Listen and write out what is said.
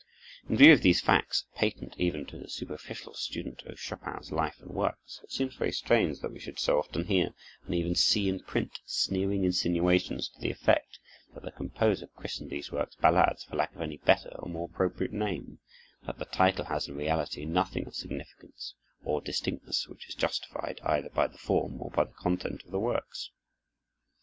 In view of these facts, patent even to the superficial student of Chopin's life and works, it seems very strange that we should so often hear and even see in print sneering insinuations to the effect that the composer christened these works ballades for lack of any better or more appropriate name; that the title has in reality nothing of significance or distinctness, which is justified either by the form or the content of the works.